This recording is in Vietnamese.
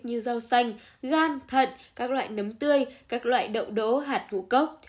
như rau xanh gan thận các loại nấm tươi các loại đậu đỗ hạt ngũ cốc